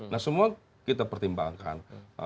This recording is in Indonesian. nah semua kita pertimbangkan